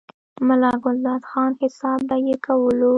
ملا ګلداد خان، حساب به ئې کولو،